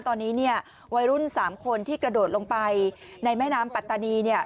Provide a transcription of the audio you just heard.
ตอนนี้เนี่ยวัยรุ่น๓คนที่กระโดดลงไปในแม่น้ำปัตตานีเนี่ย